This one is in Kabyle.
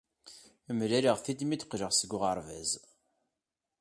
Mlaleɣ-t-id mi d-qqleɣ seg uɣerbaz.